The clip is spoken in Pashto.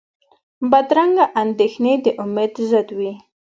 بدرنګه اندېښنې د امید ضد وي